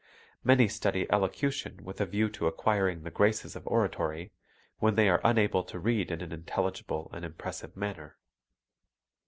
Many study elocution with a view to acquiring the graces of oratory, when they are unable to read in an intelligible and impressive manner.